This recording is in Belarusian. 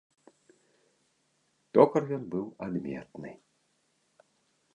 Токар ён быў адметны.